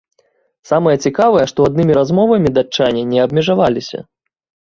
Самае цікавае, што аднымі размовамі датчане не абмежавалася.